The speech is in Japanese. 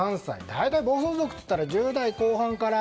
大体、暴走族と言ったら１０代後半から。